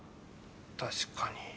確かに。